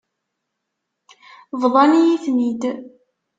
Bḍan-iyi-ten-id.